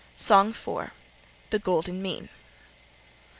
SONG IV. THE GOLDEN MEAN.